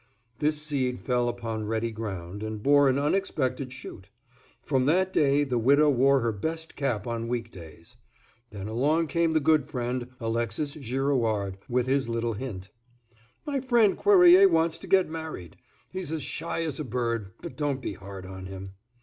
This seed fell upon ready ground, and bore an unexpected shoot. From that day the widow wore her best cap on week days. Then along came the good friend, Alexis Girouard, with his little hint. "My friend Cuerrier wants to get married; he's as shy as a bird, but don't be hard on him."